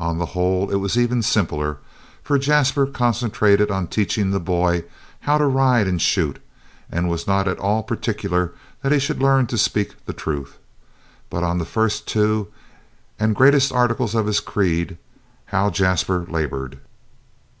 On the whole, it was even simpler, for Jasper concentrated on teaching the boy how to ride and shoot, and was not at all particular that he should learn to speak the truth. But on the first two and greatest articles of his creed, how Jasper labored!